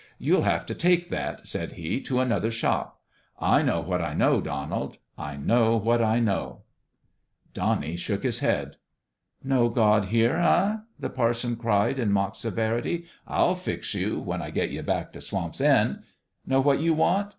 "You'll have to take that," said he, "to another shop. I know what I know, Donald. I know what I know." BOUND THROUGH 277 Donnie shook his head. " No God here, eh ?" the parson cried, in mock severity. "Til fix you, when I get you back to Swamp's End. Know what you want